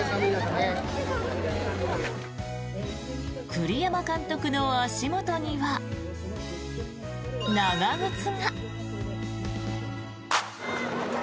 栗山監督の足元には長靴が。